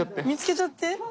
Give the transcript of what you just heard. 見つけちゃって？